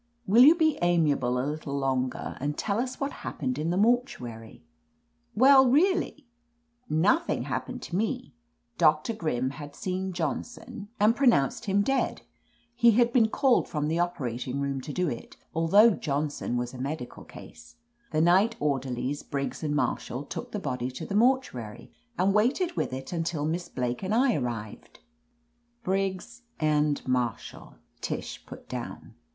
"Will you be amiable a little longer, and tell us what happened in the mortuary ?" "Well, really, nothing happened to me. Doc tor Grimm had seen Johnson and pronounced 37 THE AMAZING ADVENTURES him dead ; he had been called from the operat ing room to do it, although Johnson was a medical case. The. night orderlies, Briggs and Marshall, took the body to the mortuary and waited with it until Miss Blake and I arrived.'* "Briggs and Marshall," Tish put down.